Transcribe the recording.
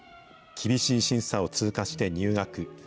厳しい審査を通過して入学。